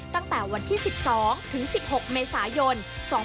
ตั้งแต่วันที่๑๒ถึง๑๖เมษายน๒๕๖๒